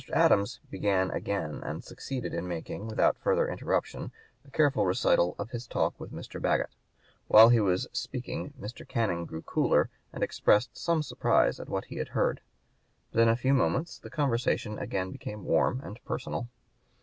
Adams began again and succeeded in making, without further interruption, a careful recital of his talk with Mr. Bagot. While he was speaking Mr. Canning grew cooler, and expressed some surprise at what he heard. But in a few moments the conversation again became warm and personal.